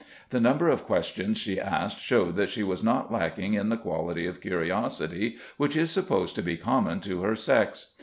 The number of questions she asked showed that she was not lacking in the quality of curiosity which is supposed to be common to her sex.